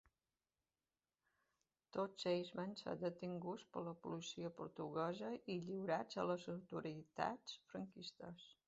Tots ells van ser detinguts per la policia portuguesa i lliurats a les autoritats franquistes.